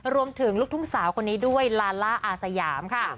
ลูกทุ่งสาวคนนี้ด้วยลาล่าอาสยามค่ะ